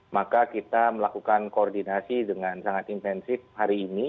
maka kita melakukan koordinasi dengan sangat intensif hari ini